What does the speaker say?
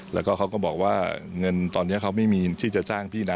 แล้วก็เขาก็บอกว่าเงินตอนนี้เขาไม่มีที่จะจ้างพี่นะ